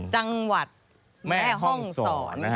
จังหวัดแม่ห้องศร